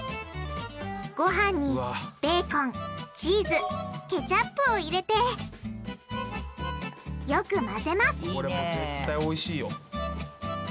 ごはんにベーコンチーズケチャップを入れてよく混ぜますいいね。